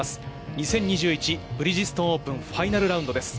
２０２１ブリヂストンオープンファイナルラウンドです。